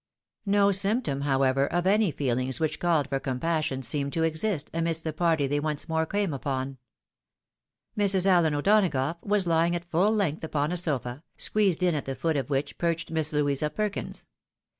No symptom, however, of any feelings which called for compassion seemed to exist amidst the party they once more came upon. Mrs. Allen O'Donagough was lying at full lengtJi upon a sofa, squeezed in at the foot of which perched Miss Louisa Perkins.